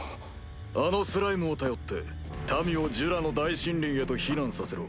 あのスライムを頼って民をジュラの大森林へと避難させろ。